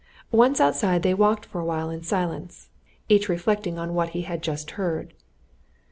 Once outside they walked for awhile in silence, each reflecting on what he had just heard.